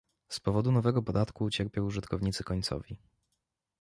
Z powodu nowego podatku ucierpią użytkownicy końcowi